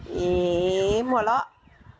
เฮ้หัวเราะ